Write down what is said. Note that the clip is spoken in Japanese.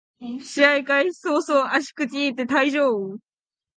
試合開始そうそう足くじいて退場